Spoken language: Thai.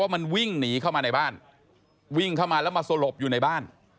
มันวิ่งหนีเข้ามาในบ้านวิ่งเข้ามาแล้วมาสลบอยู่ในบ้าน